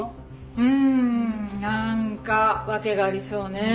うーんなんか訳がありそうねえ。